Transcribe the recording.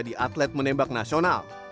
dari smp pengen